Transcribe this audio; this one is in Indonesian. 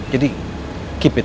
jadi keep it